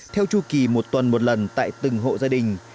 theo chu kỳ một tuần một lần tại từng hộ gia đình